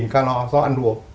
một calor do ăn đùa